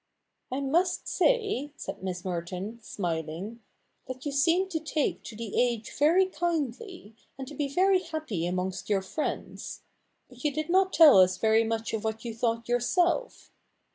* I must say,' said Miss Merton, smiling, ' that you CH. iv| THE NEW REPUBLIC 55 seem to take to the age very kindly, and to be very happy amongst your friends. But you did not tell us very much of what you thought yourself.'